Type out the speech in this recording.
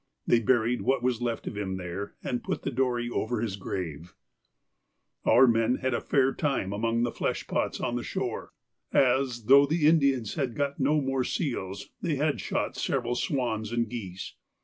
They buried what was left of him there, and put the dory over his grave. Our men had had a fair time among the flesh pots on the shore, as, though the Indians had got no more seals, they had shot several swans and geese.